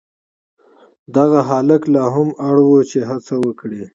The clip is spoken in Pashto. دغه هلک لا هم اړ و چې هڅه وکړي.